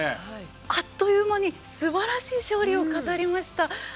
あっという間にすばらしい勝利を飾りました。